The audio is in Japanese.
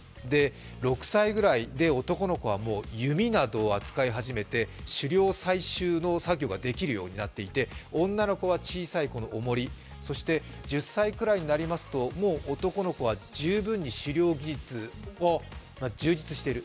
６歳ぐらいで男の子は弓などを扱い始めて狩猟はできるぐらいになっていて女の子は小さい子のおもり、１０歳ぐらいになりますともう男の子は十分に狩猟技術、充実している。